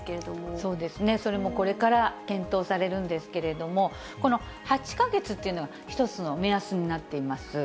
そうですね、それもこれから検討されるんですけれども、この８か月っていうのが一つの目安になっています。